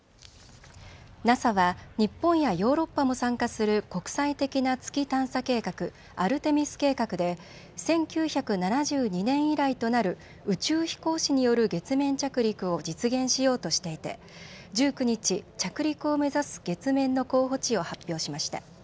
ＮＡＳＡは日本やヨーロッパも参加する国際的な月探査計画アルテミス計画で１９７２年以来となる宇宙飛行士による月面着陸を実現しようとしていて１９日、着陸を目指す月面の候補地を発表しました。